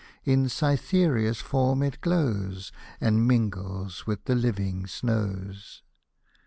In Cytherea's form it glows, And mingles with the living snows.